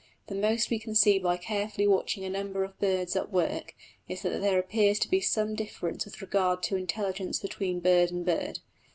The most we can see by carefully watching a number of birds at work is that there appears to be some difference with regard to intelligence between bird and bird.